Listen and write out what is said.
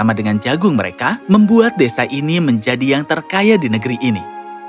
sama dengan jagung mereka membuat desa ini menjadi yang terkaya di negeri ini